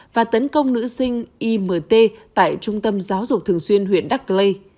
và tấn công nữ sinh imt tại trung tâm giáo dục thường xuyên huyện đắk lê